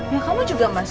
ya kamu juga mas